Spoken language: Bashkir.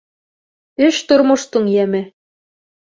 Эш тормоштоң йәме.